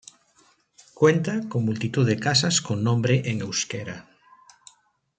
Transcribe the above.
Cuenta con multitud de casas con nombre en euskera.